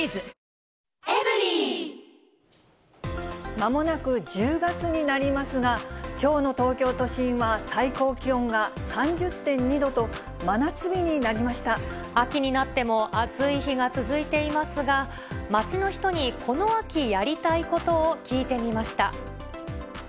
まもなく１０月になりますが、きょうの東京都心は最高気温が３０．２度と、真夏日になりまし秋になっても暑い日が続いていますが、街の人にこの秋、やりたいことを聞いてみました。